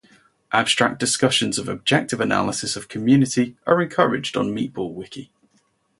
Abstract discussions, or objective analyses of community are encouraged on MeatballWiki.